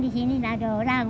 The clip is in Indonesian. disini ada orang